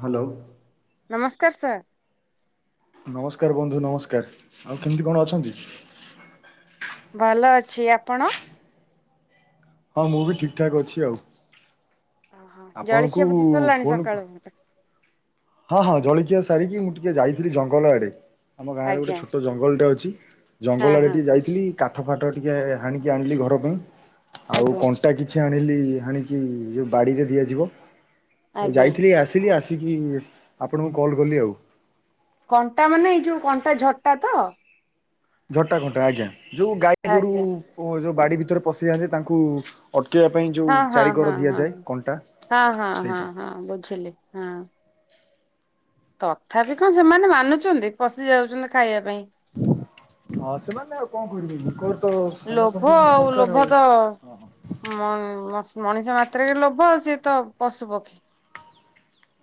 Hello. ନମସ୍କାର sir. ନମସ୍କାର ବନ୍ଧୁ ନମସ୍କାର ଆଉ କେମିତି କଣ ଅଛନ୍ତି? ଭଲ ଅଛି, ଆପଣ? ହଁ ମୁଁ ବି ଠିକ ଠାକ୍ ଅଛି, ଆଉ ଓହୋ ଜଳଖିଆ ଆପଣଙ୍କୁ ପତ୍ର ସରିଲାଣି ଫୋନ ସକାଳୁ ହଁ ହଁ ଜଳିକିଆ ସାରିକି ମୁଁ ଟିକେ ଯାଇଥିଲି ଜଙ୍ଗଲ ଆଡେ। ଆମ ଗାଁରେ ଗୋଟେ ଆଜ୍ଞା ଛୋଟ ଜଙ୍ଗଲ ଟା ଅଛି ହଁ ଜଙ୍ଗଲ ଆଡେ ହଁ ଟିକେ ଯାଇଥିଲି କାଠ ଫାଠ ଟିକେ ହନିକି ଆଣିଲି ଘର ପାଇଁ ଆଉ ଆଜ୍ଞା। କଣ୍ଟା କିଛି ଆଣିଲି ଆଣିକି ଯଉ ବାଡିରେ ଦିଆଯିବ ଆଜ୍ଞା ଯାଇଥିଲି ଆସିଲି ଆସିକି ଆପଣଙ୍କୁ କଲ୍ କଲି ଆଉ। କଣ୍ଟା ମାନେ ଏଇ ଯୋଉ କଣ୍ଟା ଝଟା ତ ଝଟା ଘଣ୍ଟା ଆଜ୍ଞା ଯୋଉ ଗାଈ ଗୋରୁ ଆଜ୍ଞା ଯୋଉ ବାଡି ଭିତରେ ପଶି ଯାଆନ୍ତି ତାଙ୍କୁ ଅ ହଁ ହଁ ହଁ ହଁ ହଁ ହଁ ହଁ ସେଇଟା। ହଁ ବୁଝିଲି ହଁ। ତଥାପି କଣ ସେମାନେ ମାନୁଛନ୍ତି ପଶି ଯାଉଛନ୍ତି ଖାଇବା ପାଇଁ। ହଁ ସେମାନେ ଆଉ କଣ କରିବେ ମୁଖ ଲୋଭ ଆଉ ଲୋଭ ତ ହଁ ହଁ ମ ମଣିଷ ମାତ୍ରାରେ ଲୋଭ ଆଉ ସିଏ ତ ପଶୁ ପକ୍ଷୀ।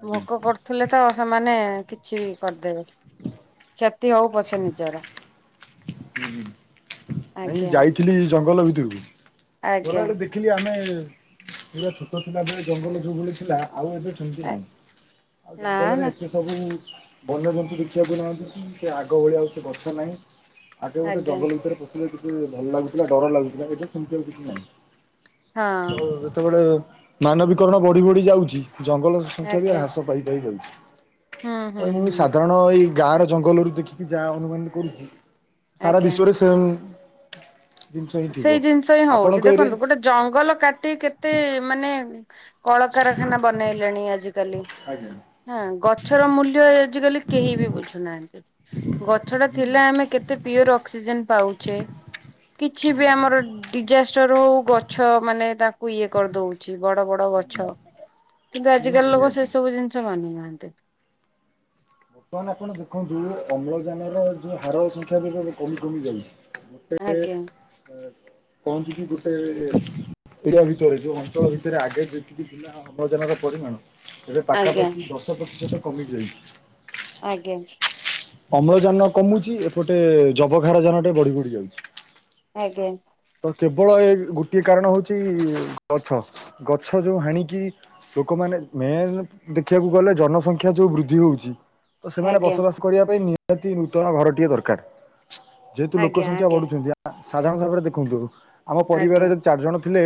ଆଜ୍ଞା। ଭୋକ କରୁଥିଲେ ତ ସେମାନେ କିଛି ବି କରିଦେବେ। [inaudible] କ୍ଷତି ହଉ ପଛେ ନିଜର। ହୁଁ। ନାଇଁ ଆଜ୍ଞା ଯାଇଥିଲି ଜଙ୍ଗଲ ଭିତରକୁ ଆଜ୍ଞା ଗଲାବେଳେ ଦେଖିଲି ଆମେ ପୁରା ଛୋଟ ଥିଲା ବଳେ ଜଙ୍ଗଲ ଯୋଉ ଭଳି ଥିଲା ଆଉ ଏବେ ସେମିତି ଆ ନାହିଁ ଆଉ ନା ଜଙ୍ଗଲରେ ନା ଏତେ ସବୁ ବନ୍ୟଜନ୍ତୁ ଦେଖିବାକୁ ନାହାନ୍ତି ସେ ଆଗ ଭଳିଆ ଆଉ ସେ ଗଛ ନାହିଁ। ଆଗେ ଗୋଟେ ଆଜ୍ଞା ଜଙ୍ଗଲ ଭିତରେ ପଶିଲେ କିଛି ଭଲ ଲାଗୁଥିଲା ଡ଼ର ଲାଗୁଥିଲା ଏବେ ସେମିତି ଆଉ କିଛି ହଁ ନାହିଁ। ହୁଁ ଯେତେବେଳେ ମାନବିକରଣ ବଢ଼ି ବଢ଼ି ଯାଉଛି। ଜଙ୍ଗଲ ସଂଖ୍ୟା ବି ଆଜ୍ଞା ହ୍ରାସ ପାଇପାଇ ଯାଉଛି। ହୁଁ ହୁଁ ଏ ମୁଁ ହୁଁ ସାଧାରଣ ଏଇ ଗାଁ ର ଜଙ୍ଗଲରୁୁ ଦେଖିକି ଯାହା ଅନୁମାନ କରୁଛି। ସାରା ଆଜ୍ଞା। ବିଶ୍ଵରେ ସେ ସେଇ ଜିନିଷ ହିଁ ହଉଛି ଆପଣଙ୍କ ଏରିଆରେ ଦେଖନ୍ତୁ ଗୋଟେ ଜଙ୍ଗଲ କାଟି କେତେ ମାନେ କଳକାରଖାନା ବନେଇଲେଣି ଆଜିକାଲି। ଆଜ୍ଞା ହଁ ଗଛର ମୂଲ୍ୟ ଆଜିକାଲି କେହି ବି ବୁଝୁନାହାନ୍ତି। ଗଛ ଟା ହୁଁ ଥିଲେ ଆମେ କେତେ ପିଓର ଅକ୍ସିଜେନ ପାଉଛେ। କିଛି ହୁଁ ବି ଆମର ଡିଜାଷ୍ଟର ହଉ ଗଛ ମାନେ ତାକୁ ଇଏ କରିଦଉଛି। ବଡ଼ ବଡ଼ ଗଛ କିନ୍ତୁ ନିହାତି ଆଜିକାଲି ଲୋକ ନିହାତି ସେ ସବୁ ଜିନିଷ ମାନୁନାହାନ୍ତି। [inaudible] ବର୍ତ୍ତମାନ ଆପଣ ଦେଖନ୍ତୁ ଅମ୍ଳଜାନର ଯୋଉ ହାର ସଂଖ୍ୟା ଗୁଡ଼ିକ କମି କମି ଯାଉଛି। ଆଜ୍ଞା ଗୋଟେ ପହଞ୍ଚୁଛିି ଗୋଟେ ଏରିଆ ଭିତରେ ଯୋଉ ଅଞ୍ଚଳ ଭିତରେ ଆଗେ ଯେତିକି [unintelligible] ଅମ୍ଳଜାନର ପରିମାଣ। ଏବେ ଆଜ୍ଞା ପାଖାପାଖି ଦଶ ପ୍ରତିଶତ କମି ଯାଇଛି। ଆଜ୍ଞା। ଅମ୍ଳଜାନ କମୁଛି ଏପଟେ ଯବକ୍ଷାରଜନ ଟେ ବଢି ବଢି ଯାଉଛି। ଆଜ୍ଞା। ତ କେବଳ ଏ ଗୋଟିଏ କାରଣ ହେଉଛି ଗଛ ଗଛ ଯୋଉ ହାଣିକି ଲୋକମାନେ ମେନ୍ ଦେଖିବାକୁ ଗଲେ ଜନସଂଖ୍ୟା ଯୋଉ ବୃଦ୍ଧି ହଉଛି। ତ ସେମାନେ ଆଜ୍ଞା। ବସବାସ କରିବା ପାଇଁ ନିହାତି ନୂତନ ଘରଟିଏ ଦରକାର। ଯେହେତୁ ଲୋକ ଆଜ୍ଞା ସଂଖ୍ୟା ଆଜ୍ଞା ବଢୁଛନ୍ତି ସାଧାରଣ ଭାବରେ ଦେଖନ୍ତୁ। ଆମ ଆଜ୍ଞା ପରିବାରରେ ଯଦି ଚାରିଜଣ ଥିଲେ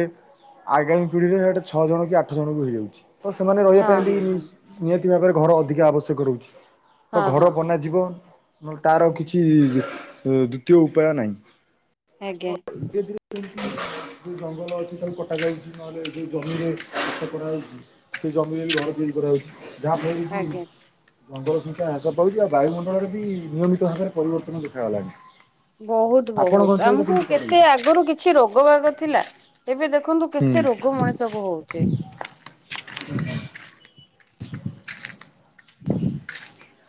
ଆଗାମୀ ପିଢ଼ିରେ ସେଇଟା ଛଅ ଜଣ କି ଆଠ ଜଣଙ୍କୁ ହେଇଯାଉଛି। ତ ସେମାନେ ରହିବା ହଁ ପାଇଁ ବି ହଁ ନିହାତି ଭାବରେ ଘର ଅଧିକା ଆବଶ୍ୟକ ରହୁଛି। ତ ହଁ ହଁ ଘର ହଁ ହଁ ବନାଯିବ। ନହେଲେ ତାର କିଛି ଦ୍ଵିତୀୟ ଉପାୟ ନାହିଁ। ତ ଆଜ୍ଞା। ଧୀରେ ଧୀରେ ଯୋଉ ଜଙ୍ଗଲ ଅଛି ତାକୁ କଟାଯାଉଛି ନହେଲେ ସେ ଜମିରେ ଚାଷ କରାଯାଉଛି। ସେ ଜମିରେ ବି ଘର ତିଆରି କରାଯାାଉଛି ଯାହାଫଳରେ କି ଆଜ୍ଞା ମଙ୍ଗଳ ସଂଖ୍ୟା ହ୍ରାସ ପାଉଛି ଆଉ ବାୟୁମଣ୍ଡଳରେ ବି ନିୟମିତ ଭାବରେ ପରିବର୍ତ୍ତନ ଦେଖାଗଲାଣି। ବହୁତ୍ ଆପଣଙ୍କ ବହୁତ୍ ଅଞ୍ଚଳରେ ଆମକୁ କେମିତି କଣ କେତେ ରହୁଛି? ଆଗରୁ କିଛି ରୋଗ ବାଗ ଥିଲା ଏବେ ଦେଖ ଦେଖନ୍ତୁ ହୁଁ, କେତେ ରୋଗ ମଣିଷ କୁ ହଉଛି। [unintelligible]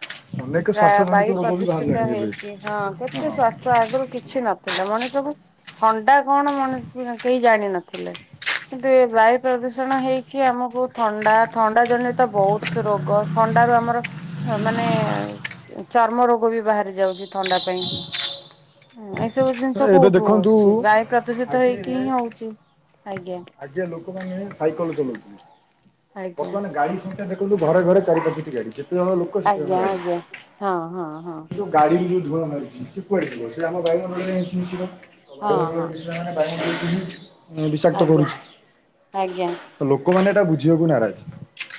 ଅନେକ ଶ୍ୱାସଜନିତ ବାୟୁ ରୋଗ ବି ପ୍ରଦୂଷିତ ବାହାରିଲାଣି ଏବେ ହେଇଛି ହଁ କେତେ ହଁ ସ୍ଵାସ୍ଥ୍ୟ ଆଗରୁ କିଛି ନଥିଲା ମଣିଷ ସବୁ ଥଣ୍ଡା କଣ ମାନେ କେହି ଜାଣିନଥିଲେ‌। କିନ୍ତୁ ଏ ବାୟୁ ପ୍ରଦୂଷଣ ହେଇକି ଆମକୁ ଥଣ୍ଡା ଥଣ୍ଡା ଜନିତ ବହୁତ ରୋଗ ଥ ଅଣ୍ଡାରୁ ଆମର ମାନେ ଚର୍ମ ରୋଗ ବି ବାହାରି ଯାଉଛି ଥଣ୍ଡା ପାଇଁ ଏ ସବୁ ଜିନିଷ ଏବେ କୋଉଠୁ ଦେଖନ୍ତୁ ହୋଉଚି ବାୟୁ ପ୍ରଦୂଷିତ ଆଗେ ହେଇକି ହିଁ ହୋଉଚି ଆଜ୍ଞା ସେ ନେ ସାଇକଲ ଚଲୋଉଥିଲେ। ଆଜ୍ଞା ବର୍ତ୍ତମାନ ଗାଡି ସଂଖ୍ୟା ଦେଖନ୍ତୁ ଘରେ ଘରେ ଚାରି ପାଞ୍ଚଟି ଗାଡି। ଯେତେ ଜଣ ଲୋକ ସେତେ ଖଣ୍ଡ ଆଜ୍ଞା ଗାଡି। ଆଜ୍ଞା ହଁ ହଁ ହଁ ଏଇ ଯୋଉ ଗାଡି ୟୁଜ ଧୂଆଁ ବାହାରୁଚି ସିଏ କୁଆଡେ ଜୀବ ସିଏ ଆମ ବାୟୁମଣ୍ଡଳରେ ହିଁ ମିଶିବ ତ ହଁ ହଁ। ବାୟୁଣ୍ଡଳରେ ମିଶିଲା ମାନେ ବାୟୁ [inaudible] ବିଷାକ୍ତ ଆଜ୍ଞା କରୁଚି ଆଜ୍ଞା ତ ଲୋକମାନେ ଏଟା ବୁଝିବାକୁ ନାରାଜ।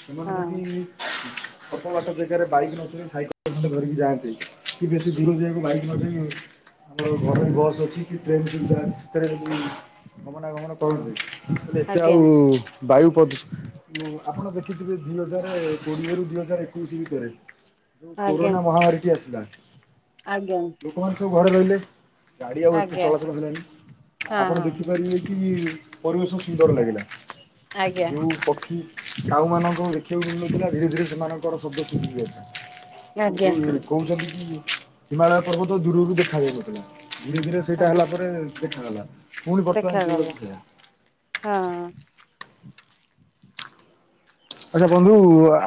ସେମାନେ ଯଦି ହଁ ଅଳ୍ପ ବାଟ ଜାଗାରେ ବାଇକ୍ ନ ଚଳେଇକି ସାଇକଲ ଖଣ୍ଡେ ଧରିକି ଯାଆନ୍ତେ କି ବେଶୀ ଦୂର ଜଗାକୁ ବାଇକ ନ ଯାଇକି ଆମର ଘରୋଇ ବସ୍ ଅଛି କି ଟ୍ରେନ ସୁବିଧା ଅଛି ସେଥିରେ ବି ଗମନାଗମନ କରନ୍ତି ମୁଁ କହିଲି ଏତେ ଆଜ୍ଞା ଆଉ ବାୟୁ ପ୍ରଦୂ ଉଁ ଆପଣ ଦେଖିଥିବେ ଦିଇ ହଜାର କୋଡିଏରୁୁ ଦିଇ ହଜାର ଏକୋଇଶି ଭିତରେ ଯୋଉ ଆଜ୍ଞା କୋରୋନା ମହାମାରୀ ଟି ଆସିଲା ଆଜ୍ଞା। ଲୋକମାନେ ସବୁ ଘରେ ରହିଲେ ଗାଡ଼ି ଆଉ ଏତେ ଆଜ୍ଞା ଚଳାଚଳ ହେଲାଣି ହଁ ଆପଣ ହଁ। ହଁ ଦେଖିପାରିବେ କି ପରିବେଶ ସୁନ୍ଦର ଲାଗିଲା ଆଜ୍ଞା ଯୋଉ ପକ୍ଷୀ କାଉମାନଙ୍କୁ ଦେଖିବାକୁ ମିନଥିଲା ଧୀରେ ଧୀରେ ସେମାନଙ୍କର ଶବ୍ଦ ଶୁଭୁଚି ଏଥର ଆଜ୍ଞା ଯୋଉ କହୁଛନ୍ତି କି ହିମାଳୟ ପର୍ବ ତ ଦୂରରୁ ଦେଖାାଯାଉ ନଥିଲା। ଧୀରେ ଧୀରେ ସେଇଟା ଆଜ୍ଞା ହେଲା ପରେ ଦେଖାଗଲା। ପୁଣି ଦେଖାଗଲା ବର୍ତ୍ତମାନ ଯୋଉଆ କୁ ହଁ। ସେଇଆ। ଆଛା ବନ୍ଧୁ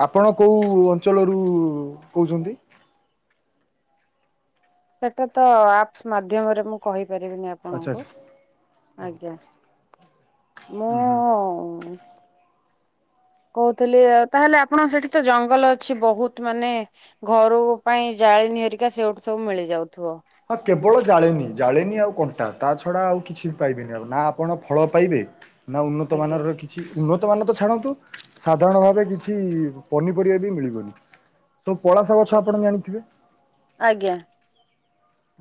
ଆପଣ କୋଉ ଅଞ୍ଚଳରୁ କୋହୁଛନ୍ତି? ସେଟା ତ ଆପ୍ସ ମାଧ୍ୟମରେ ମୁଁ କହି ପାରିବିନି ଆଚ୍ଛା ଆପଣଙ୍କୁ ଆଚ୍ଛା। ଆଜ୍ଞା। ହୁଁ ହୁଁ ମୁଁ କୋହୁଥିଲି ଆ ତାହେଲେ ଆପଣଙ୍କ ସେଠି ତ ଜଙ୍ଗଲ ଅଛି। ବହୁତ ମାନେ ଘରୁ ପାଇଁ ଯା ଜାଳିନି ହେରିକା ସେଇଠୁ ସବୁ ମିଳିଯାଉ ହଁ କେବଳ ଜାଳେନି ଜାଳେନି ଆଉ କଣ୍ଟା ତା ଛଡା ଆଉ କିଛି ପାଇବେନି ଆଉ ନା ଆପଣ ଫଳ ପାଇବେ ନା ଆଜ୍ଞା। ଉନ୍ନତମାନର କିଛି ଉନ୍ନ ମାନ ତ ଛାଡନ୍ତୁ ସାଧାରଣ ଭାବେ କିଛି ପନିପରିବା ବି ମିଳିବନି। ସବୁ ପଳାସା ଗଛ ଆପଣ ଜାଣିଥିବେ ଆଜ୍ଞା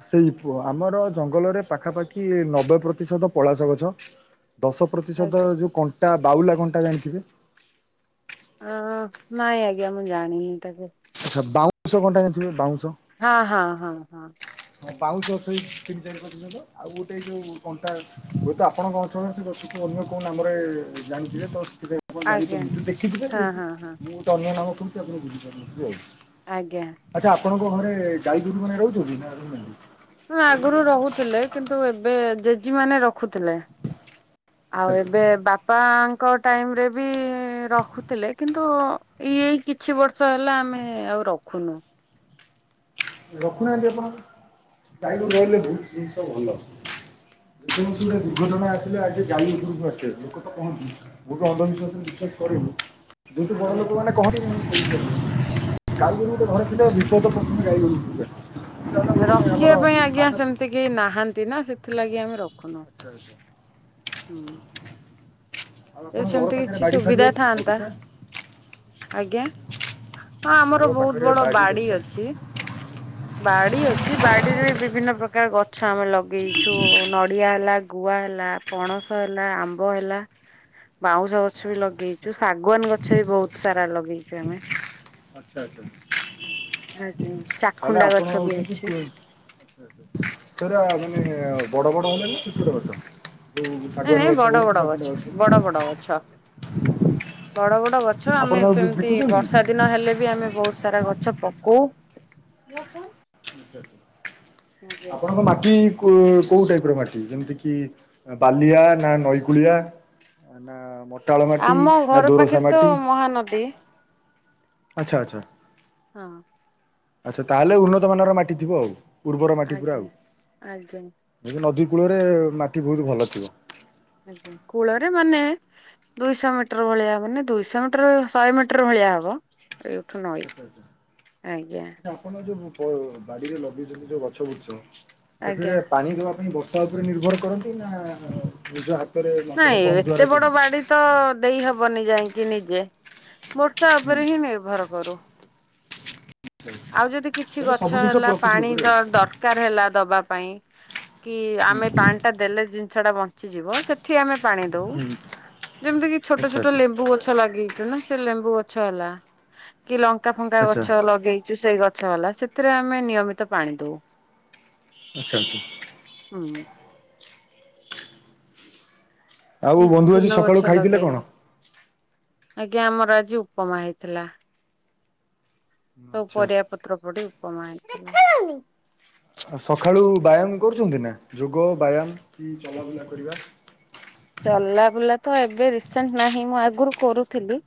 ସେଇ ପୁଅ ଆମର ଜଙ୍ଗଲରେ ପାଖାପାଖି ନବେ ପ୍ରତିଶତ ପଳାସ ଗଛ ଦଶ ପ୍ରତିଶୋତ ଆଜ୍ଞା ଯୋଉ କଣ୍ଟା ବାଉଲା କଣ୍ଟା ଜାଣିଥିବେ? ଆଁ ନାଇଁ ଆଜ୍ଞା ମୁଁ ଜାଣି ହି ତାକୁ ବାଉଁଶ ଘଣ୍ଟା ଜାଣିଥିବ ବାଉଁ ହଁ ହଁ ହଁ ହଁ। ହଁ ବାଉଁଶ ଥୋଇକି କିମତି ଯାଇଣି ପାରୁଥିଲେ ତ ଆଉ ଗୋଟେ ଯୋଉ କଣ୍ଟା ହୁଏତ ଆପଣଙ୍କ ଅଞ୍ଚଳରେ ଗଛ ଅଲଗା କୋଉ ନାମରେ ଜାଣିଥିଲେ ତ ସେଥିପାଇଁ ଆପଣ ଆଜ୍ଞା ଜାଣିପାରୁନଥିବେ ଦେଖିଥିବେ ହଁ ଯେ ହଁ ହଁ ମୁଁ ଗୋଟେ ଅଲଗା ନାମ କୋହୁଚି ଆପଣ ବୁଝିପାରୁନଥିବେ ଆଉ। ଆଜ୍ଞା। ଆଛା ଆପଣଙ୍କ ଘରେ ଗାଈ ଗୋରୁ ମାନେ ରୋହୁଚନ୍ତି ନା ରୋହୁ ନାହାଁନ୍ତି। ହଁ ଆଗରୁ ରୋହୁଥିଲେ କିନ୍ତୁ ଏବେ ଜେଜି ମାନେ ର ଖୁଥିଲେ ଆଚ୍ଛା ଆଉ ଏବେ ବାପାଙ୍କ ଟାଇମ ରେ ବି ରଖୁଥିଲେ କିନ୍ତୁ ଏଇ ଏଇ କିଛି ବର୍ଷ ହେଲା ଆମେ ଆଉ ରଖୁ ଖୁନୁ। ରଖୁନାହାନ୍ତି ଆପଣ ଗାଇ ଗୋରୁ ରହିଲେ ବହୁତ ଜିନଷ ଭଲ। ଯେକୌଣସି ଗୋଟେ ଦୁର୍ଘଟଣା ଆସିଲେ ଆଗେ ଗାଈ ଉପରକୁ ଆସେ ଲୋକ ତ କହନ୍ତି। ମୁଁ ବି ଅନ୍ଧବିଶ୍ୱାସରେ ବିଶ୍ୱାସ କରିନି ଯେହେତୁ ବଡ ଆଜ୍ଞା। ଲୋକମନେ କହନ୍ତି [inaudible] ଗାଈ ଗୋରୁ ଗୋଟେ ଘରେ ଥିଲେ ବିପଦ ପ୍ରଥମେ ଗାଈ ଗୋରୁ ଉପରକୁ ଆସେ ସେଇଟା ଗୋଟେ ଆମର ରଖିବା ପାଇଁ ଆଜ୍ଞା ମାନସ ସେମତି କେହି ନାହାନ୍ତି ନା ସେଥିଲାଗି ଆମେ ରଖ ଆଛା ଆଛା। ହୁଁ। ଆଉ ଏ ଆପଣଙ୍କ ଘର ସେମିତି ପାଖରେ କିଛି ବାଡ଼ି ଫାଡ଼ି ସୁବିଧା ଅଛି ଥାଆନ୍ତା। ବଗିଚା ଆଜ୍ଞା ହଁ ଆମର ଘର ବହୁତ ପାଖରେ ବଡ ବାଡ଼ି ବାଡି ବଗିଚା ଅଛି। ବାଡି ଅଛି ବାଡିରେ ବି ବିଭିନ୍ନ ପ୍ରକାର ଗ ଗଛ ଆମେ ଲଗେଇଛୁ ନଡିଆ ହେଲା ଗୁଆ ହେଲା ପଣସ ହେଲା ଆମ୍ବ ହେଲା। ବାଉଁଶ ଗଛ ବି ଲଗେଇଛୁ ଆଚ୍ଛା ଶାଗୁଆନ ଗଛ ବି ବହୁତ ସାରା ଲଗେଇଛୁ ଆମେ। ଆଚ୍ଛା ଆଚ୍ଛା। ଆଜ୍ଞା ଚାଖୁଣ୍ଡା ଗଛ ବି ଅଛି। ସେଟାମାନେ ବଡ ବଡ ହଲେଣିନା ଛୋଟ ଛୋଟ ଗଛ। ଯୋଉ ନାଇଁ ଶାଗୁଆନ ନାଇଁ ଗଛ ହଉ ବଡ କି ବଡ ଜାମୁଣ୍ଡା ଗଛ ବଡ ବଡ ଗଛ। ବଡ ବଡ ଗଛ ଆପଣ ଆମେ ତାକୁ ବି- ସେମିତି ବିକୁଛନ୍ତି ବର୍ଷା ଦିନ ହେଲେ ବି ଆମେ ବହୁତ ସାରା ଗଛ। ଛପକଉ। ଆପଣଙ୍କ ମାଟି କୋଉ-କୋଉ ଟାଇପର ମାଟି ଯେମିତିକି ବାଲିଆ ନା ନଈ କୂଳିଆ? ନା ମଟାଳ ମାଟି ଆମ ନା ଘର ଦୋରସା ପାଖରେ ତ ମାଟି? ମହାନଦୀ ଆଚ୍ଛା ଆଚ୍ଛା। ହଁ। ଆଚ୍ଛା ତାହେଲେ ଉନ୍ନତମାନର ମାଟି ଥିବ ଆଉ। ଉର୍ବର ମାଟି ପୁରା ଆଜ୍ଞା ଆଉ ଆଜ୍ଞା ଯଦି ନଦୀ କୂଳରେ ମାଟି ବହୁତ ଭଲ ଥିବ। ଆଜ୍ଞା କୂଳରେ ମାନେ ଦୁଇଶହ ମିଟର ଭଳିଆ ମାନେ ଦୁଇଶହ ମିଟର ଶହେ ମିଟର ଭଳିଆ। ଦିଆ ହବ ଏଉଠୁ ନଈ ଆଚ୍ଛା ଆଚ୍ଛା ଆଜ୍ଞା। ଆଚ୍ଛା ଆପଣ ଯୋଉ ବାଡିରେ ଲଗେଇଛନ୍ତି ଯୋଉ ଗଛ ବୁଛ ଆଜ୍ଞା ସେଥିରେ ପାଣି ଦବା ପାଇଁ ବ ଉପରେ ନିର୍ଭର କରନ୍ତିନା ନିଜ ହାତ ନାଇଁ ଏତେ ବଡ ବାଡି ତ ଦେଇ ହବନି ଯାଇକି ନିଜେ ବର୍ଷା ହୁଁ। ଉପରେ ହିଁ ନିର୍ଭର କରୁ। ଆଉ ଯଦି କିଛି ତାହେଲେ ସବୁ ଗଛ ଜିନିଷ ହେଲା ପ୍ରକୃତି ପାଣି ଉପରେ ଦ ଆଉ। -ଦରକାର ହେଲା ଦବା ପାଇଁ କି ହୁଁ ଆମେ ପାଣି ଟା ଦେଲେ ଜିନିଷ ଟା ବଞ୍ଚିଯିବ ସେ ଏଠି ଆମେ ପାଣି ଦଉ ହୁଁ ଯେମିତି କିି ଛୋଟ ଆଚ୍ଛା ଛୋଟ ଆଚ୍ଛା ଲେମ୍ବୁ ଗଛ ଲଗଇଛୁ ନା। ସେ ଲେମ୍ବୁ ଗଛ ହେଲା କି ଲଙ୍କା ଫଙ୍କା ଆଚ୍ଛା ଗଛ ଲଗେଇକି ସେ ଗଛ ହେଲା ସେଥିରେ ଆମେ ନିୟମିତ ପାଣି ଦୋଉ। ଆଚ୍ଛା ଆଚ୍ଛା। ହୁଁ। ଆଉ କିଇଛି ବନ୍ଧୁ ଆଜି ଫୁଲ ସକାଳୁ ଗଛ ଖାଇଥିଲେ କଣ? ଲଗେଇଲି ଆଜ୍ଞା ଆମର ଆଜି ଉପମା ହେଇଥିଲା। ସବୁ ଆଚ୍ଛା ପରିଆ ପତ୍ର ପଡି ଉପମା ହେଇଥିଲା। ସକାଳୁ ବ୍ୟାୟାମ କରୁଛନ୍ତି ନା ଯୋଗ ବ୍ୟାୟାମ କି ଚଲାବୁଲା କରିବା? ହଁ [unintelligible] ଚଲା ବୁଲା ତ ଏବେ ରିସେଣ୍ଟ ନାହିଁ ମୁଁ ଆଗରୁ କରୁଥିଲି।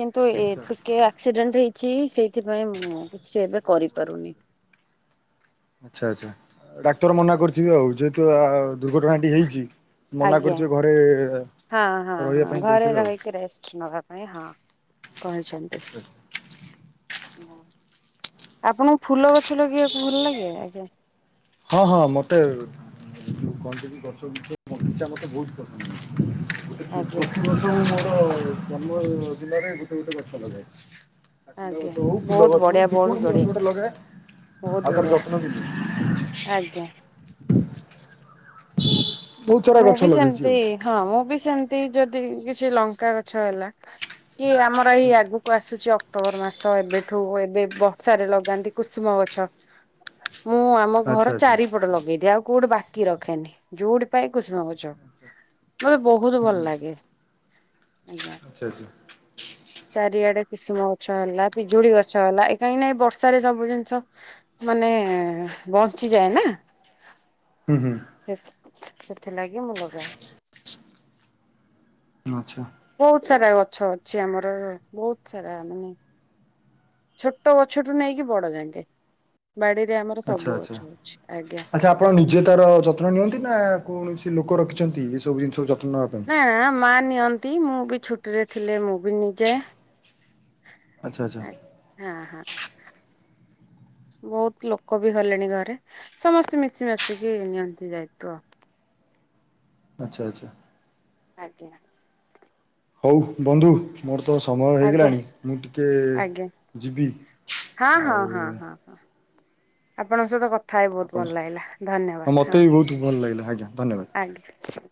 କିନ୍ତୁ ଏ ଆଚ୍ଛା ଟିକେ ଆକ୍ସିଡେଣ୍ଟ ହେଇ ଛି ସେଇଥିପାଇଁ ମୁଁ କିଛି ଏବେ କରିପାରୁନି। ଆଚ୍ଛା ଆଚ୍ଛା ଡାକ୍ତର ମନା ଆଜ୍ଞା କରିଥିବେ ଆଉ ଯେହେତୁ ଆ ଦୁର୍ଘଟଣାଟି ହେଇଛି ମନା ଆଜ୍ଞା କରିଥିବେ ଘରେ ହଁ ହଁ ରହିବା ହଁ ପାଇଁ ଘରେ କହିଥିବେ ଆଉ। ରହିକି ରେଷ୍ଟ ନବା ପାଇଁ ହଁ। କହିଛନ୍ତି। ଆପଣଙ୍କୁ ଫୁଲ ଗଛ ଲଗେଇବାକୁ ଭଲ ଲାଗେ ଆଜ୍ଞା। ହଁ ହଁ ମତେ କହନ୍ତିନି ଗଛ ଭିତରେ [unintelligible] ମତେ ବହୁତ୍ ପସନ୍ଦ। ଗୋଟେ ଆଜ୍ଞା ପ୍ରତିିବର୍ଷ ମୋର ଜନ୍ମ ଜିଲ୍ଲାରେ ଗୋଟେ ଗୋଟେ ଗଛ ଲଗାହେଇଛି। ଚାକୁଣ୍ଡା ଆଜ୍ଞା ଗଛ ହଉ ଫୁଲ ବହୁତ ଗଛ ହଉ ବଢିଆ ଯେ ବହୁତ କୌଣସି ଗଛ ବଢିଆ ଗୋଟେ ଲଗା। ବହୁତ ଆଉ ତାର ବଢିଆ ଯତ୍ନ ନେଉଛି। ଆଜ୍ଞା। ବହୁତ ସାରା ମୁଁ ଗଛ ବି ଲଗେଇଛି ସେମତି ଆଉ। ହଁ ମୁଁ ବି ସେମ ଯଦି କିଛି ଲଙ୍କା ଗଛ ହେଲା କି ଆମର ଏଇ ଆଗକୁ ଆସୁଛି ଅକ୍ଟୋବର ମାସ ଏବେଠୁ ଏବେ ବର୍ସାରେ ଲଗାନ୍ତି କୁସୁମ ଗଛ। ମୁଁ ଆମ ଆଚ୍ଛା ଘର ଆଚ୍ଛା ଚାରିପଟ ଲଗେଇଦିଏ ଆଉ କୋଉଠି ବାକି ରଖେନି ଯୋଉଠି। ପାଇଁ କୁସୁମଗଛ ମୋତେ ବହୁତ ଭଲ ଲାଗେ। ଆଜ୍ଞା। ଆଚ୍ଛା ଆଚ୍ଛା ଚାରିଆଡେ କିସୁମ ଗଛ ହେଲା ପିଜୁଳି ଗଛ ହେଲା ଏ କାହିଁକି ନା ବର୍ଷାରେ ସବୁ ଜିନିଷ ମାନେ ଏନ୍ ବଞ୍ଚିଯାଏ ନା। ହୁଁ ହୁଁ। ସେ ସେଥିଲାଗି ମୁଁ ଲଗାଏ। ଆଚ୍ଛା ବହୁତ ସାରା ଗଛ ଅଛି ଆମର ବହୁତ ସାରା ମାନେ। ଛୋଟ ଗଛଠୁ ନେଇକି ବଡ ଜାଙ୍କେ। ଆଚ୍ଛା ଆଚ୍ଛା ଆଚ୍ଛା ଆପଣ ନିଜେ ତାର ଯତ୍ନ ନିଅନ୍ତି ନା କୌଣସି ଲୋକ ରଖିଛନ୍ତି ଏ ସବୁ ଜିନିଷ ଜ ନା ନା ମା ନିଅନ୍ତି ମୁଁ ବି ଛୁଟିରେ ଥିଲେ ମୁଁ ବି ନେଇଯାଏ। ଆଛା ଆଚ୍ଛା। ହଁ ହଁ ବହୁତ ଲୋକ ବି ହେଲେଣି ଘରେ ସମସ୍ତେ ମିଶି ମାସିକି ନିଅନ୍ତି ଦାୟିତ୍ଵ ଆଉ। ହଁ ଆଛା ଆଚ୍ଛା। ଆଜ୍ଞା। ହଉ ବନ୍ଧୁ ମୋର ତ ସମୟ ଆଜ୍ଞା। ହେଇଗଲାଣି ମୁଁ ଟିକଏ ଆଜ୍ଞା ଯିବି ହଁ ହଁ ଆଉ ହଁ ହଁ ହଁ ଆପଣଙ୍କ ସହିତ କଥ ଥା ହେଇକି ବହୁତ ଆପଣ ଭଲ ଲାଗିଲା ଧନ୍ୟବାଦ ମୋତେ ହଁ ବି ବହୁତ ଭଲ ଲାଗିଲା ଆଜ୍ଞା ଧନ୍ୟବାଦ। ଆଜ୍ଞା।